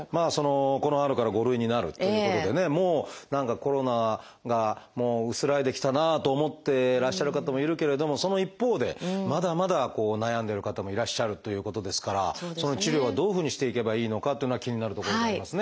この春から５類になるということでねもう何かコロナがもう薄らいできたなと思ってらっしゃる方もいるけれどもその一方でまだまだ悩んでる方もいらっしゃるということですからその治療はどういうふうにしていけばいいのかというのは気になるところでございますね。